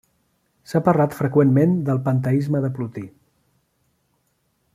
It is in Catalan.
S'ha parlat freqüentment del panteisme de Plotí.